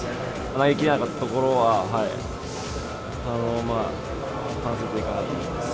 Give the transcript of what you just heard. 投げきれなかったところは反省点かなと思います。